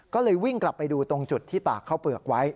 ก็เลยวิ่งกลับไปดูตรงจุดที่ตากข้าวเปลือกไว้